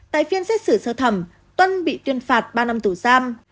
tại phiên xét xử sơ thẩm tuân bị tuyên phạt ba năm tù giam